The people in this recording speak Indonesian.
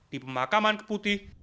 di pemakaman keputih